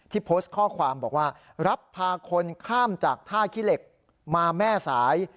โพสต์ข้อความบอกว่ารับพาคนข้ามจากท่าขี้เหล็กมาแม่สาย